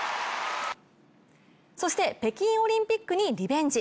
そして北京オリンピックにリベンジ。